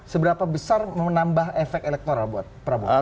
seberapa besar menambah efek elektoral buat prabowo